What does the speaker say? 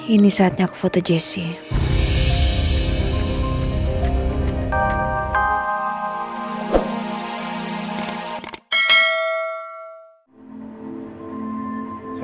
ini saatnya foto jessi